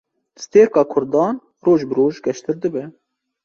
Stêrka Kurdan, roj bi roj geştir dibe